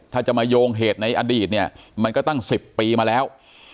ถ้าจะมาโยงเหตุในอดีตเนี่ยมันก็ตั้ง๑๐ปีมาแล้ว